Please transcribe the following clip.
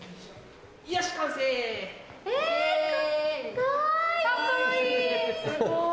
かわいい！